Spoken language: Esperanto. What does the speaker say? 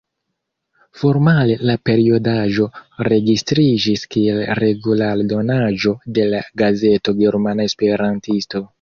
Formale la periodaĵo registriĝis kiel regula aldonaĵo de la gazeto Germana Esperantisto.